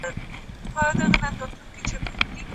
له رویبار، له انتظاره، له پیغامه ګیه من یم